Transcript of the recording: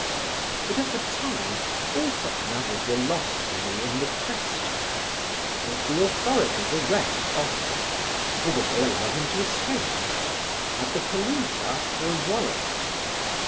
But at the time all such matters were lost for me in the questions: would the authorities arrest Oscar? or would they allow him to escape? Had the police asked for a warrant?